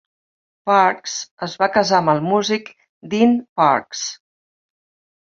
Parks es va casar amb el músic Dean Parks.